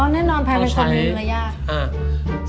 อ๋อแน่นอนแพงเป็นส่วนหนึ่งระยะ